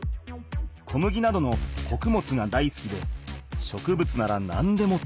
小麦などのこくもつがだいすきで植物なら何でも食べる。